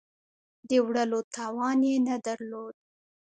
د وړلو توان یې نه درلود.